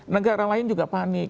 negara lain juga panik